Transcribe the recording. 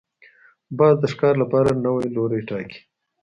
باز د ښکار لپاره نوی لوری ټاکي